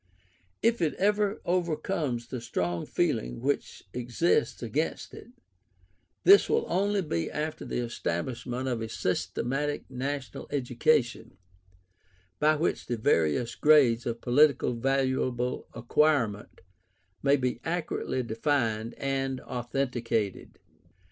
If it ever overcomes the strong feeling which exists against it, this will only be after the establishment of a systematic National Education by which the various grades of politically valuable acquirement may be accurately defined and authenticated.